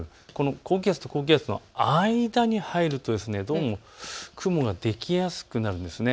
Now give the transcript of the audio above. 高気圧と高気圧の間に入ると雲ができやすくなるんですね。